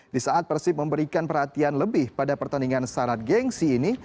di saat persib memberikan perhatian lebih pada pertandingan syarat gengsi ini